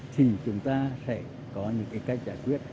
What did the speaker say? thì chúng ta sẽ có những cách giải quyết